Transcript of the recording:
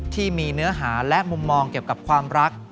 ที่มีเนื้อหาและมุมมองเกี่ยวกับความรัก